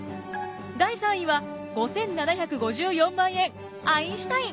第３位は５，７５４万円アインシュタイン。